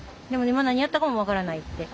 今何やったかも分からないって。